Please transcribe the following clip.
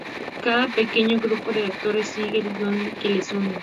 cada pequeño grupo de actores sigue el guión que les une.